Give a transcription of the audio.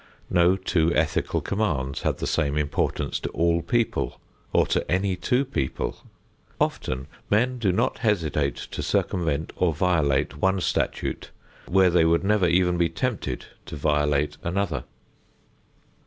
No two ethical commands have the same importance to all people or to any two people. Often men do not hesitate to circumvent or violate one statute, when they could never be even tempted to violate another.